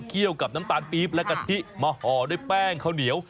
กับน้ำตาลปี๊บและกะทิมาห่อด้วยแป้งข้าวเหนียว